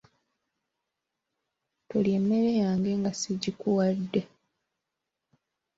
Tolya emmere yange nga sigikuwadde.